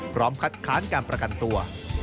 พร้อมคัดค้านการประกันตัว